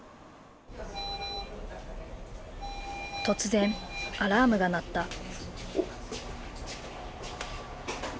突然アラームが鳴った。